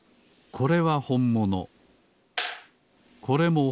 これもほんもの。